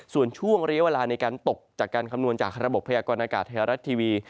ส่วนช่วงระยะเวลาในการตกจากการคำนวณจากระบบพยากรณากาศไทยรัฐทีวี